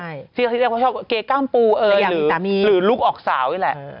สิทธิ์ที่เรียกว่าเกรกก้ามปูหรือลูกออกสาวนี่แหละ